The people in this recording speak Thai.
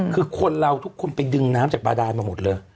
คือคนเราทุกคนไปดึงน้ำจากบาดานมาหมดเลย